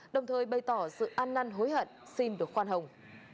đồng thời bày tỏ sự an năn hối hận xin được khoan hồng